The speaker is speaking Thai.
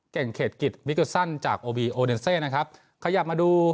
เก่งเขตกิตวิกลสันจากโอบีโอเดนเซนะครับขยับมาดู